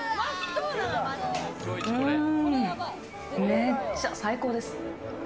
めっちゃ最高です。